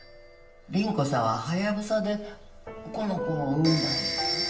倫子さんはハヤブサでこの子を産んだんや。